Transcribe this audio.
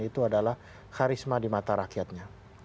itu adalah karisma di mata rakyatnya